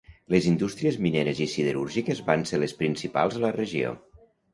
Les indústries mineres i siderúrgiques van ser les principals a la regió.